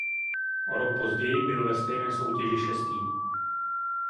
O rok později byl ve stejné soutěži šestý.